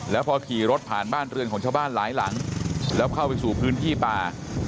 แล้วพอขี่รถผ่านบ้านเรือนของชาวบ้านหลายหลังแล้วเข้าไปสู่พื้นที่ป่า